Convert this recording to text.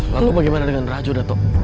lalu bagaimana dengan rajo datuk